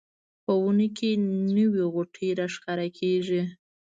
په ونو کې نوې غوټۍ راښکاره کیږي